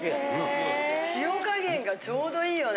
塩加減がちょうどいいよね。